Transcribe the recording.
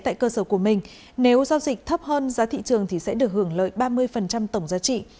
tại cơ sở của mình nếu giao dịch thấp hơn giá thị trường thì sẽ được hưởng lợi ba mươi tổng giá trị